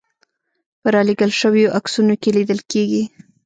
په رالېږل شویو عکسونو کې لیدل کېږي.